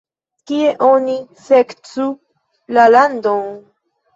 Kie oni sekcu la landon?